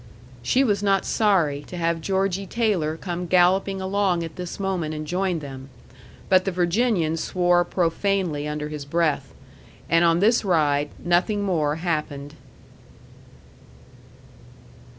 She was not sorry to have Georgie Taylor come galloping along at this moment and join them. But the Virginian swore profanely under his breath. And on this ride nothing more happened.